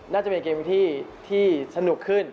น่าจะเป็นเกมที่สนุกขึ้น